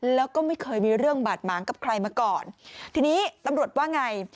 แล้วก็ไม่เคยมีเรื่องบาดหมางกับใครมาก่อนทีนี้ตำรวจว่าไง